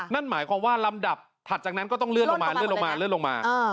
นั่นหมายความว่าลำดับถัดจากนั้นก็ต้องเลื่อนลงมา